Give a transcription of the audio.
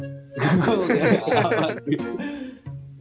gak mau gara gara apa apa